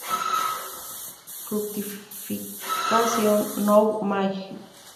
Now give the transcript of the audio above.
Fructificación nov.-may.